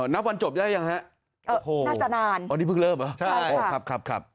นับวันจบได้หรือยังฮะน่าจะนานอันนี้เพิ่งเริ่มเหรอใช่ค่ะ